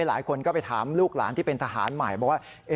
หลายคนก็ไปถามลูกหลานที่เป็นทหารใหม่บอกว่า